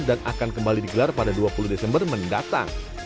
dan akan kembali digelar pada dua puluh desember mendatang